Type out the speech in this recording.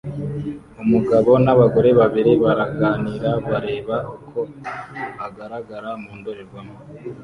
Umugabo nabagore babiri baraganira bareba uko agaragara mu ndorerwamo